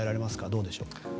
どうでしょう？